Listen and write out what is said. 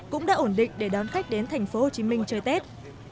cũng đã ổn định để đón khách đến thành phố hồ chí minh chơi tết